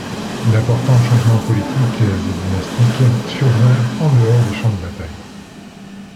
D'importants changements politiques et dynastiques survinrent en dehors des champs de bataille.